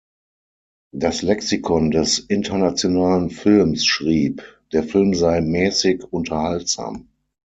Das Lexikon des internationalen Films schrieb, der Film sei „mäßig unterhaltsam“.